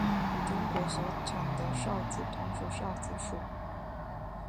与中国所产的韶子同属韶子属。